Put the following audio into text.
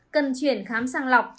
cần chuyển khám sang lọc